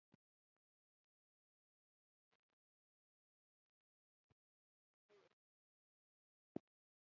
انډریو به ایس میکس ملامتوي او ایس میکس انډریو